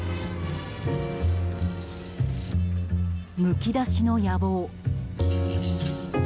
むき出しの野望。